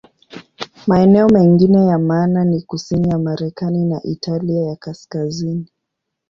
Maeneo mengine ya maana ni kusini ya Marekani na Italia ya Kaskazini.